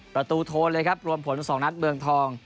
โทนเลยครับรวมผล๒นัดเมืองทอง